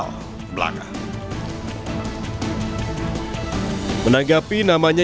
menanggapi namanya yang berbeda jokowi dodo menyebutnya sebagai nepotisme yang berbeda